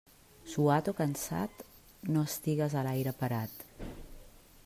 Suat o cansat, no estigues a l'aire parat.